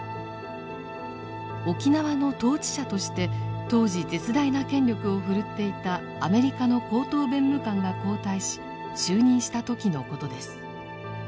沖縄の統治者として当時絶大な権力を振るっていたアメリカの高等弁務官が交代し就任した時のことです。